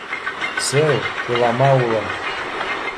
— Сеү, илама улым.